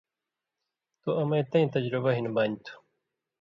تُو امَیں تَیں تجربہ ہِن بانیۡ تُھو